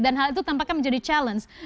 dan hal itu tampaknya menjadi challenge